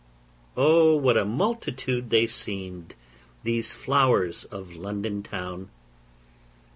O what a multitude they seemed, these flowers of London town!